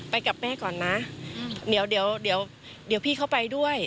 ไปกับแม่ก่อนนะเดี๋ยวพี่เขาไปด้วย